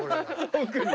奥に。